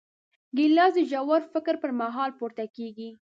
ګیلاس د ژور فکر پر مهال پورته کېږي.